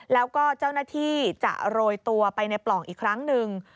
แล้วก็เจ้าหน้าที่จะโรยตัวไปในปล่องอีกครั้งหนึ่ง